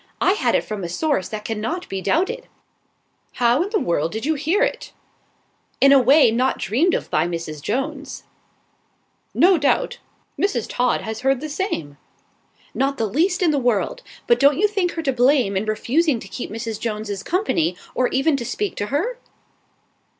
I had it from a source that cannot be doubted." "How in the world did you hear it?" "In a way not dreamed of by Mrs. Jones." "No doubt, Mrs. Todd has heard the same." "Not the least in the world. But don't you think her to blame in refusing to keep Mrs. Jones's company, or even to speak to her?"